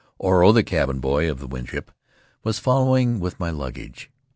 Oro, the cabin boy of the Winship, was following with my lug gage.